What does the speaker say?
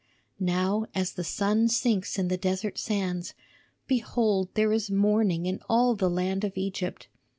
"Now as the sun sinks in the desert sands, behold there is mourning in all the land of Egypt.